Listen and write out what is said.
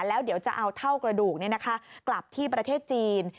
แล้วเดี๋ยวจะเอาเท่ากระดูกกลับที่ประเทศจีน